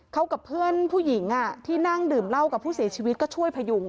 เขากับเพื่อนผู้หญิงที่นั่งดื่มเหล้ากับผู้เสียชีวิตก็ช่วยพยุง